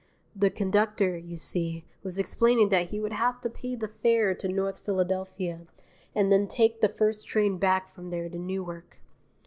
The conductor, you see, was explaining that he would have to pay the fare to North Philadelphia and then take the first train back from there to Newark.